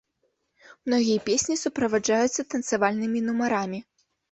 Многія песні суправаджаюцца танцавальнымі нумарамі.